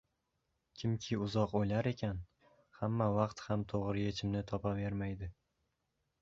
Kimki uzoq o‘ylar ekan, hamma vaqt ham to‘g‘ri yechimni topavermaydi.